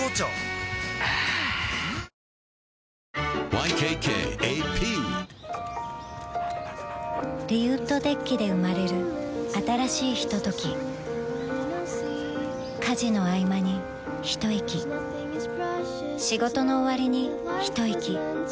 ＹＫＫＡＰリウッドデッキで生まれる新しいひととき家事のあいまにひといき仕事のおわりにひといき